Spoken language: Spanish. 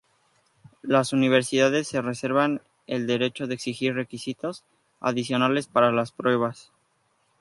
Las universidades se reservan el derecho de exigir requisitos adicionales para las pruebas.